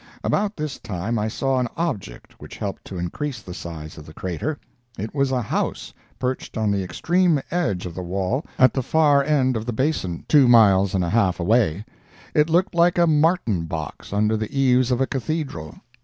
About this time I saw an object which helped to increase the size of the crater. It was a house perched on the extreme edge of the wall, at the far end of the basin, two miles and a half away; it looked like a martin box under the eaves of a cathedral!